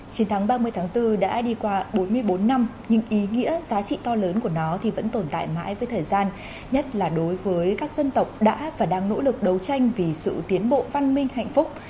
chiến thắng ba mươi tháng bốn đã đi qua bốn mươi bốn năm nhưng ý nghĩa giá trị to lớn của nó thì vẫn tồn tại mãi với thời gian nhất là đối với các dân tộc đã và đang nỗ lực đấu tranh vì sự tiến bộ văn minh hạnh phúc